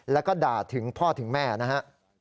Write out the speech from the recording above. แล้วก็ด่าถึงพ่อถึงแม่นะฮะ